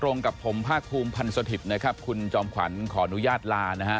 ตรงกับผมภาคภูมิพันธ์สถิตย์นะครับคุณจอมขวัญขออนุญาตลานะฮะ